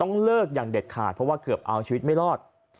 เลิกอย่างเด็ดขาดเพราะว่าเกือบเอาชีวิตไม่รอด